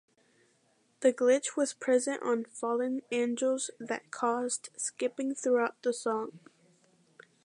The glitch was present on "Fallen Angels" that caused skipping throughout the song.